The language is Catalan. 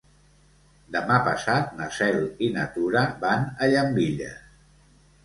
Demà passat na Cel i na Tura van a Llambilles.